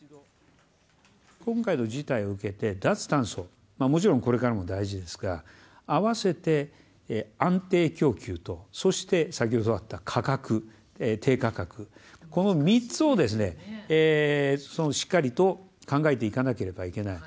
今回の事態を受けて、脱炭素、もちろんこれからも大事ですが、併せて安定供給と、そして先ほどあった価格、低価格、この３つをしっかりと考えていかなければいけない。